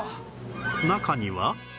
中には